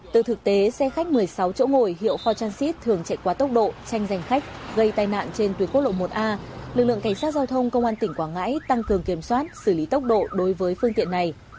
từ thực tế xe khách một mươi sáu chỗ ngồi hiệu kho transite thường chạy quá tốc độ tranh giành khách gây tai nạn trên tuyến quốc lộ một a lực lượng cảnh sát giao thông công an tỉnh quảng ngãi tăng cường kiểm soát xử lý tốc độ đối với phương tiện này